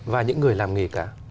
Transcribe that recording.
và những người làm nghề cá